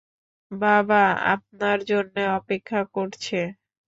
বাবা আপনার জন্যে অপেক্ষা করছে।